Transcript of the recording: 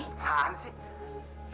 nah apaan sih